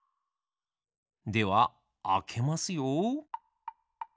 ではあけますよ。